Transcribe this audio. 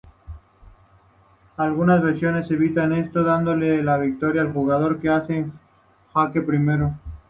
Algunas versiones evitan esto dándole la victoria al jugador que hace jaque primero.